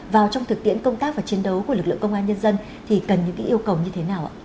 vào trong thực tiễn công tác và chiến đấu của lực lượng công an nhân dân thì cần những yêu cầu như thế nào ạ